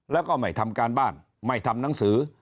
แล้วก็ไม่ทำการบ้านไม่ทำหนังสือ